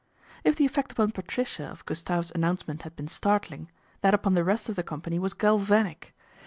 If the effect upon Patricia of Gustave's announce ment had been startling, that upon the rest of the company was galvanic.